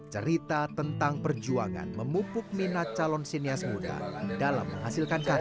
cerita tentang perjuangan memupuk minat calon sinias muda dalam menghasilkan karya